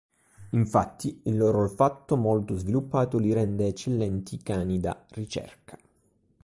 Infatti, il loro olfatto molto sviluppato li rende eccellenti cani da ricerca.